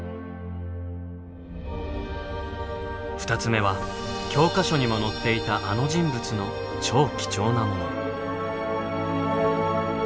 ２つ目は教科書にも載っていたあの人物の超貴重なもの。